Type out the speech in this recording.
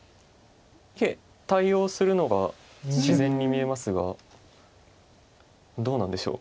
いえ対応するのが自然に見えますがどうなんでしょう。